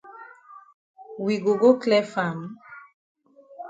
We go go clear farm?